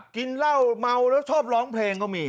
กินเหล้าเมาแล้วชอบร้องเพลงก็มี